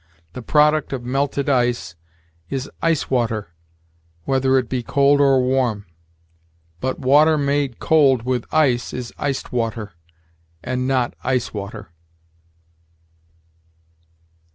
The product of melted ice is ice water, whether it be cold or warm; but water made cold with ice is iced water, and not ice water.